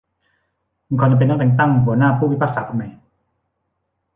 มีความจำเป็นต้องแต่งตั้งหัวหน้าผู้พิพากษาคนใหม่